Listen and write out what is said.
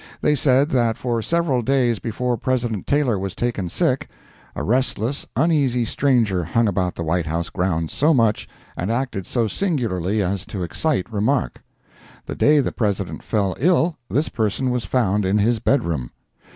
They said that for several days before President Taylor was taken sick, a restless, uneasy stranger hung about the White House grounds so much, and acted so singularly as to excite remark. The day the President fell ill, this person was found in his bed room.